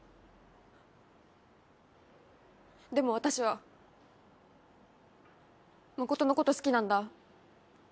でも私は誠のこと好きなんだ。